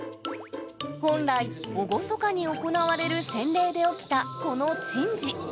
本来、厳かに行われる洗礼で起きた、この珍事。